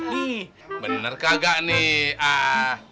nih bener kagak nih